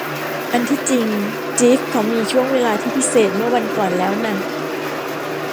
อันที่จริง จีฟเขามีช่วงเวลาที่พิเศษเมื่อวันก่อนแล้วน่ะ